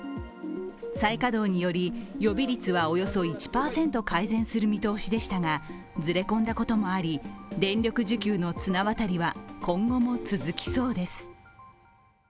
再稼働により、予備率はおよそ１％改善する見通しでしたがずれ込んだこともあり、電力需給の綱渡りは、今後も続きそうです。